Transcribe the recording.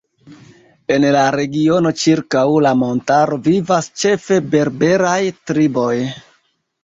En la regiono ĉirkaŭ la montaro vivas ĉefe berberaj triboj.